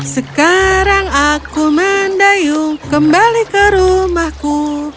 sekarang aku mendayung kembali ke rumahku